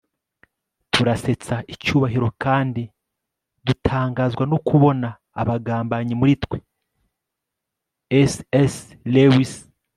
turasetsa icyubahiro kandi dutangazwa no kubona abagambanyi muri twe - c s lewis